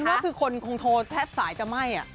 ว่าคือคนคงโทรแทบสายจะไหม้อ่ะ